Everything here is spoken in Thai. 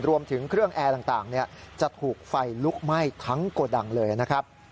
รวมถึงเครื่องแอร์ต่างจะถูกไฟลุกไหม้ทั้งโกดังเลยนะครับ